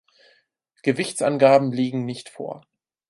Gewichtsangaben liegen nicht vor.